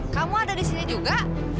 kamu ada di sini juga